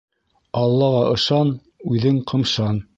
Аллаға ышан, үҙең ҡымшан.